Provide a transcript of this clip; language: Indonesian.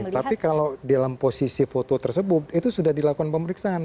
tapi kalau dalam posisi foto tersebut itu sudah dilakukan pemeriksaan